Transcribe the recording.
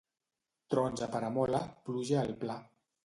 Trons a Peramola, pluja al pla.